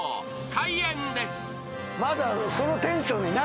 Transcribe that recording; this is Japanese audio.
［開演です］